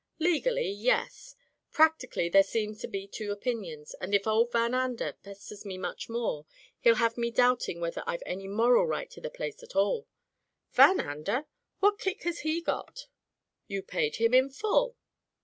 "Legally, yes. Practically, there seem to be two opinions, and if old Van Ander pes ters me much more, he'll have me doubting whether I've any moral right to the place at all." "Van Ander ? What kick has he got ? You paid him in full."